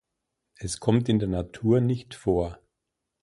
Es kommt in der Natur nicht vor.